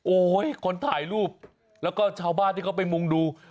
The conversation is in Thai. โอ้โหคนถ่ายรูปแล้วก็ชาวบ้านที่เขาไปมุ่งดู